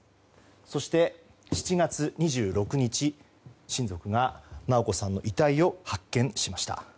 そして、７月２６日親族が直子さんの遺体を発見しました。